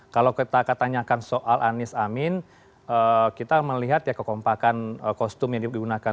kalau kita ketanyakan soal anies amin kita melihat ya kekompakan kostum yang digunakan